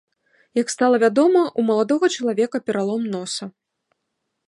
Як стала вядома, у маладога чалавека пералом носа.